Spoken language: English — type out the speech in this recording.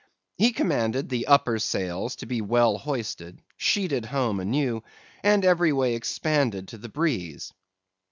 He commanded the upper sails to be well hoisted, sheeted home anew, and every way expanded to the breeze.